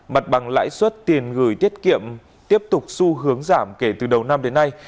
mặt bằng lãi suất tiền gửi tiết kiệm tiếp tục xu hướng giảm kể từ đầu năm đến nay